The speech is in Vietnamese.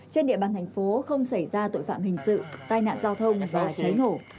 trên địa bàn thành phố không xảy ra tội phạm hình sự tai nạn giao thông và cháy nổ